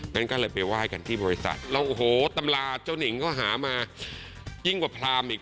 งั้นก็เลยไปไหว้กันที่บริษัทแล้วโอ้โหตำราเจ้าหนิงก็หามายิ่งกว่าพรามอีก